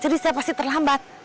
jadi saya pasti terlambat